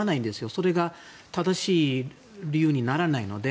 それが正しい理由にならないので。